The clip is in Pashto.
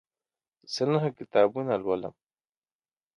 زه نهه کتابونه لولم.